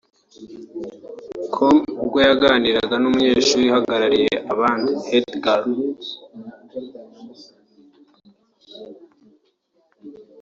com ubwo yaganiraga n'umunyeshuri uhagarariye abandi (Head Girl)